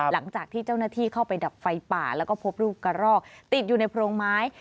หลังจากที่เจ้าหน้าที่เข้าไปดับไฟป่าแล้วก็พบลูกกระรอกติดอยู่ในโพรงไม้